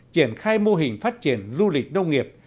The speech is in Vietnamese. triển khai mô hình phát triển du lịch nông nghiệp